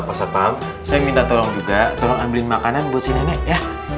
pak setan saya minta tolong juga tolong ambilin makanan buat si nenek ya siap